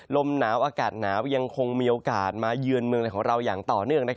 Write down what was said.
ลมหนาวอากาศหนาวยังคงมีโอกาสมาเยือนเมืองในของเราอย่างต่อเนื่อง